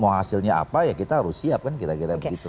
mau hasilnya apa ya kita harus siap kan kira kira begitu